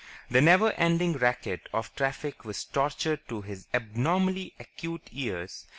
The never ending racket of traffic was torture to his abnormally acute ears.